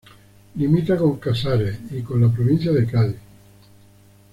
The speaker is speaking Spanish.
Limita con Casares y con la provincia de Cádiz.